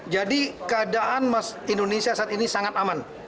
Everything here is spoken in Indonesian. jadi keadaan indonesia saat ini sangat aman